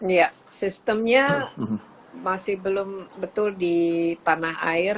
ya sistemnya masih belum betul di tanah air